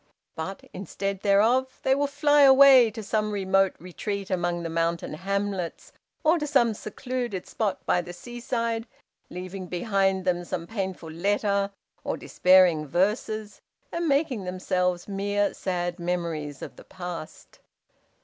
But, instead thereof, they will fly away to some remote retreat among the mountain hamlets, or to some secluded spot by the seaside, leaving behind them some painful letter or despairing verses, and making themselves mere sad memories of the past.